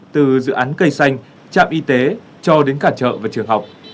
từ dự án cây xanh trạm y tế cho đến cả chợ và trường học